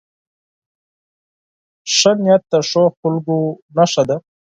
ښه نیت د ښو خلکو نښه ده.